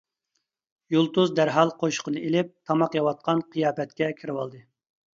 يۇلتۇز دەرھال قوشۇقنى ئېلىپ تاماق يەۋاتقان قىياپەتكە كىرىۋالدى.